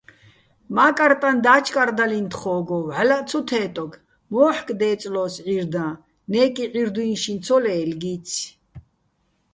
მა́კარტაჼ და́ჩკარდალიჼ თხო́გო, ვჵალლაჸ ცო თე́ტოგე̆, მო́ჰ̦̦კ დე́წლო́ს ჵირდაჼ, ნე́კი ჵირდუ́ჲნში ცო ლე́ლგიცი̆.